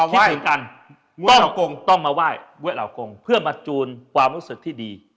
คิดถึงกันต้องมาไหว้เพื่อมาจูนความรู้สึกที่ดี